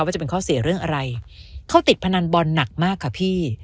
จะเป็นข้อเสียเรื่องอะไรเขาติดพนันบอลหนักมากค่ะพี่